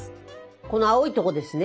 この青いとこですね。